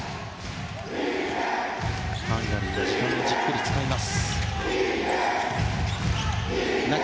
ハンガリーが時間をじっくり使います。